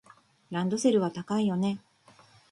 ランドセルは高いよね。